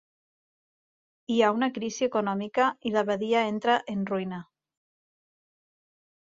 Hi ha una crisi econòmica i la badia entra en ruïna.